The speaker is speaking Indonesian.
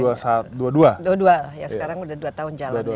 ya sekarang udah dua tahun jalan